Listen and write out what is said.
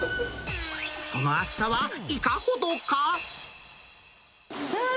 その厚さはいかほどか。